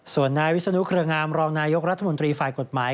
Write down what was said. ส่วนนายวิศนุเครืองามรองนายกรัฐมนตรีฝ่ายกฎหมาย